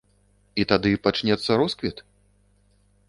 І тады пачнецца росквіт?